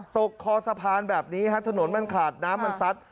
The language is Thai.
คอสะพานแบบนี้ฮะถนนมันขาดน้ำมันซัด